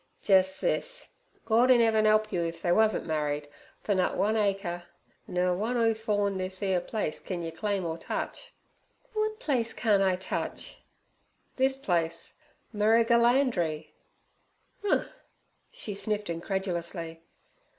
'Jes this: Gord in 'eaven 'elp you if they wusn't married, for nut one acre, nur one 'oof orn this 'ere place ken yer claim or touch.' 'W'at place can't I touch?' 'This place—Merrigulandri.' 'Uh!' she sniffed incredulously.